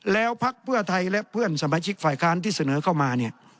แล้วพักเพื่อไทยและเพื่อนสมาชิกฝ่ายค้านที่เสนอเข้ามาเนี่ย